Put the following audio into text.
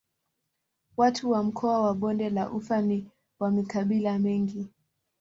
Watu wa mkoa wa Bonde la Ufa ni wa makabila mengi.